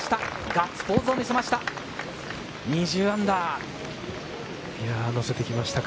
ガッツポーズを見せました。